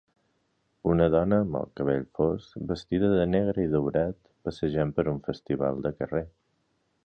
Una dona amb el cabell fosc vestida de negre i daurat passejant per un festival de carrer.